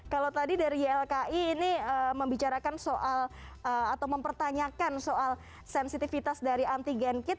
kalau tadi dari ilki ini mempertanyakan soal sensitivitas dari antigen kit